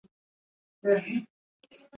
کره معلومات ترلاسه کړي.